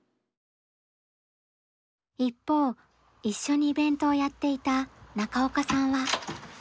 一方一緒にイベントをやっていた中岡さんは。